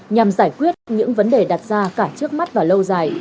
nhằm giải quyết những vấn đề đặt ra cả trước mắt và lâu dài